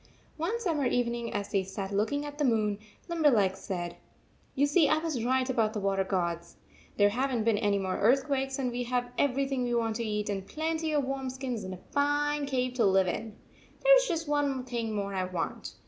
One summer evening, as they sat look ing at the moon, Limberleg said: " You see I was right about the water gods. There have n t been any more earthquakes, and we have everything we want to eat, and plenty of warm skins and a fine cave to live in. There is just one thing more I want.